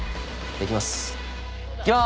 いきます。